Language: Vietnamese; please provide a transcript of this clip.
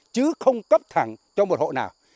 chứ không cấp thẳng cho một hộ nào